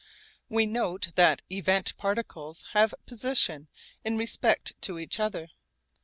We note that event particles have 'position' in respect to each other.